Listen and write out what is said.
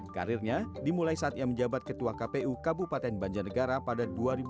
karirnya dimulai saat ia menjabat ketua kpu kabupaten banjarnegara pada dua ribu dua belas